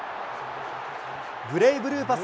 ブレイブルーパス